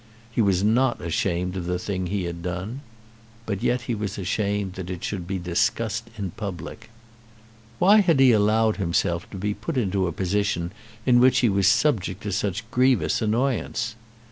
He was not ashamed of the thing he had done; but yet he was ashamed that it should be discussed in public. Why had he allowed himself to be put into a position in which he was subject to such grievous annoyance?